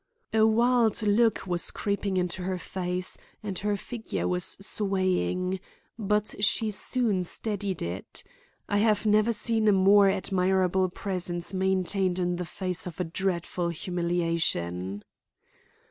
A wild look was creeping into her face, and her figure was swaying. But she soon steadied it. I have never seen a more admirable presence maintained in the face of a dreadful humiliation.